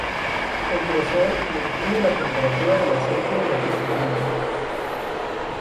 El grosor mantiene la temperatura del aceite en el recipiente.